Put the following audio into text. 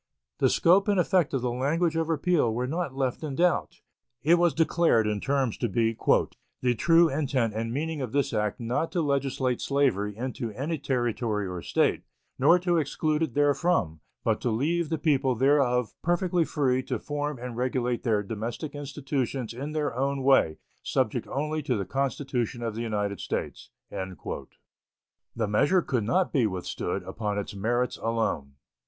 The scope and effect of the language of repeal were not left in doubt. It was declared in terms to be "the true intent and meaning of this act not to legislate slavery into any Territory or State, nor to exclude it therefrom, but to leave the people thereof perfectly free to form and regulate their domestic institutions in their own way, subject only to the Constitution of the United States." The measure could not be withstood upon its merits alone.